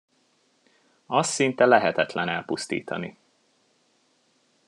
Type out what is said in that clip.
Azt szinte lehetetlen elpusztítani.